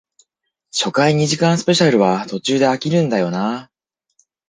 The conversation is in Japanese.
初回二時間スペシャルは途中で飽きるんだよなあ